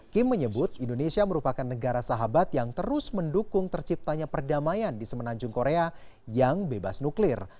kim menyebut indonesia merupakan negara sahabat yang terus mendukung terciptanya perdamaian di semenanjung korea yang bebas nuklir